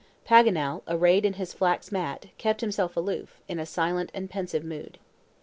Paganel, arrayed in his flax mat, kept himself aloof, in a silent and pensive mood.